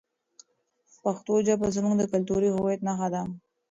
پښتو ژبه زموږ د کلتوري هویت نښه ده.